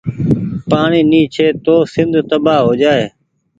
پآڻيٚ ني ڇي تو سند تبآه هوجآئي۔